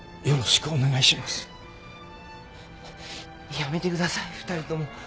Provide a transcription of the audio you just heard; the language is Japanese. やめてください二人とも。